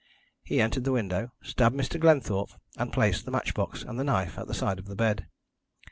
He entered the window, stabbed Mr. Glenthorpe, and placed the match box and the knife at the side of the bed.